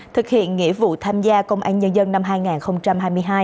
thực hiện nghĩa vụ tham gia công an nhân dân năm hai nghìn hai mươi hai